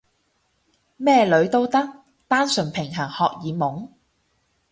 咩女都得？單純平衡荷爾蒙？